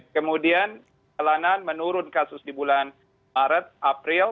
kemudian jalanan menurun kasus di bulan maret april